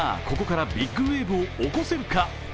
ここからビッグウェーブを起こせるか。